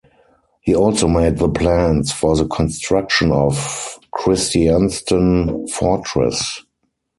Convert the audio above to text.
He also made the plans for the construction of Kristiansten Fortress.